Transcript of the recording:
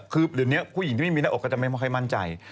คือเดี๋ยวนี้ผู้หญิงที่ไม่มีหน้าอกก็จะไม่ค่อยมั่นใจ